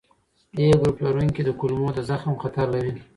A ګروپ لرونکي د کولمو د زخم خطر لري.